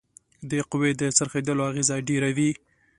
د قوې د څرخیدلو اغیزه ډیره وي.